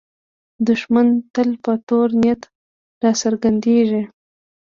دښمن تل په تور نیت راڅرګندېږي